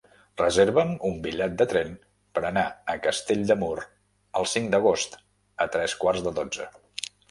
Reserva'm un bitllet de tren per anar a Castell de Mur el cinc d'agost a tres quarts de dotze.